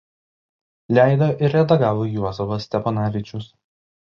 Leido ir redagavo Juozapas Steponavičius.